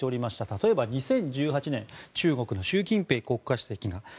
例えば２０１８年中国の習近平国家主席など。